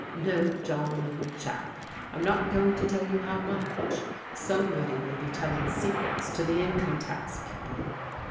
No, John, old chap, I'm not going to tell how much. Somebody will be telling secrets to the In come Tax people.